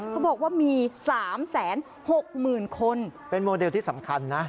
เขาบอกว่ามีสามแสนหกหมื่นคนเป็นโมเดลที่สำคัญนะ